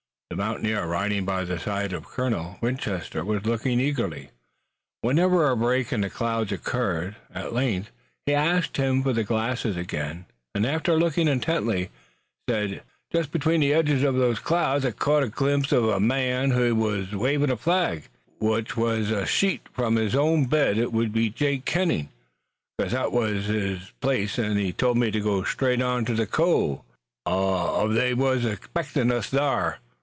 The mountaineer riding by the side of Colonel Winchester was looking eagerly, whenever a break in the clouds occurred. At length, he asked him for the glasses again and, after looking intently, said: "Jest between the edges uv two clouds I caught a glimpse uv a man, an' he wuz wavin' a flag, which wuz a sheet from his own bed. It would be Jake Hening, 'cause that wuz his place, an' he told me to go straight on to the cove, ez they wuz now expectin' us thar!"